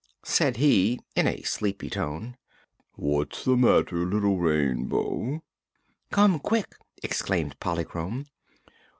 Said he, in a sleepy tone: "What's the matter, little Rainbow?" "Come quick!" exclaimed Polychrome.